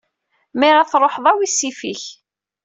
Mi ara truḥeḍ, awi ssif-ik.